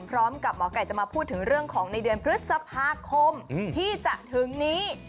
พร้อมกับหมอไก่จะมาพูดถึงเรื่องของในเดือนพฤษภาคมที่จะถึงนี้